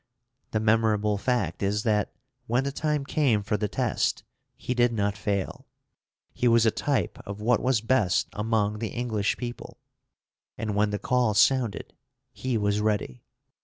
The memorable fact is that, when the time came for the test, he did not fail. He was a type of what was best among the English people, and when the call sounded, he was ready.